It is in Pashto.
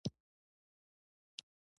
هېلۍ ښه نجلۍ وه، خو اوس لږ ورانه شوې